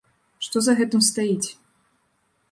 Што за гэтым стаіць?